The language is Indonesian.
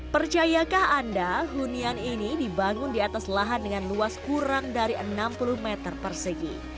percayakah anda hunian ini dibangun di atas lahan dengan luas kurang dari enam puluh meter persegi